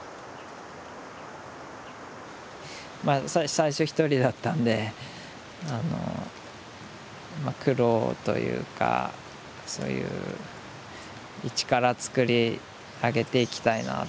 最初一人だったんで苦労というかそういうイチからつくり上げていきたいなっていうのがあって。